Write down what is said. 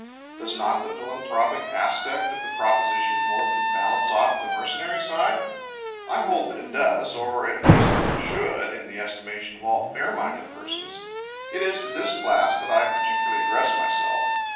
Does not the philanthropic aspect of the proposition more than balance off the mercenary side? I hold that it does, or at least that it should, in the estimation of all fair minded persons. It is to this class that I particularly address myself.